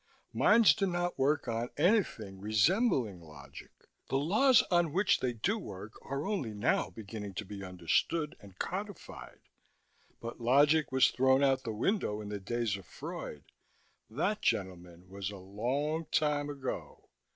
Minds do not work on anything resembling logic. The laws on which they do work are only now beginning to be understood and codified: but logic was thrown out the window in the days of Freud. That, gentlemen, was a long time ago.